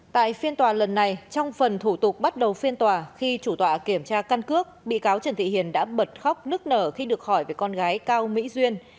tại phiên tòa lần này trong phần thủ tục bắt đầu phiên tòa khi chủ tọa kiểm tra căn cước bị cáo trần thị hiền đã bật khóc nức nở khi được hỏi về con gái cao mỹ duyên